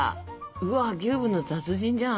うわギューぶの達人じゃん！